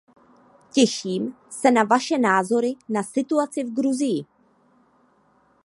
Těším se na vaše názory na situaci v Gruzii.